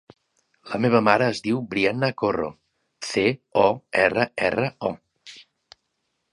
La meva mare es diu Brianna Corro: ce, o, erra, erra, o.